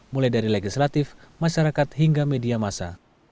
mulai dari legislatif masyarakat hingga media masa